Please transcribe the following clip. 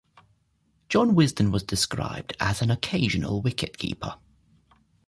John Wisden was described as an occasional wicket-keeper.